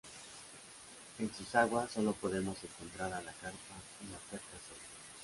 En sus aguas solo podemos encontrar a la carpa y la perca sol.